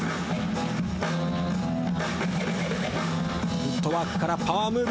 フットワークからパワームーブ。